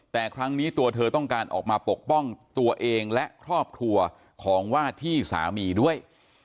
แต่ครั้งนี้ตัวเธอต้องการออกมาปกป้องตัวเองและครอบครัวของว่าที่สามีด้วย